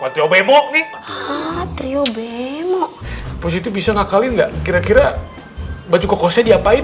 teriobemo positif bisa ngakalin nggak kira kira baju kokosnya diapain